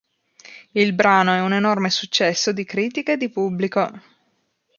Il brano è un enorme successo di critica e di pubblico.